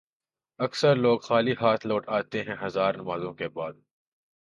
اکثر لوگ خالی ہاتھ لوٹ آتے ہیں ہزار نمازوں کے بعد